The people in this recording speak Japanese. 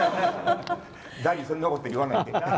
ダディそんなこと言わないで。